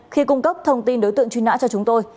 khi cung cấp thông tin đối tượng truy nã cho chúng tôi